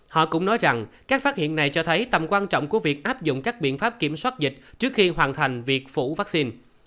họ cũng nói rằng các phát hiện này cho thấy tầm quan trọng của việc áp dụng các biện pháp kiểm soát dịch trước khi hoàn thành việc phủ vaccine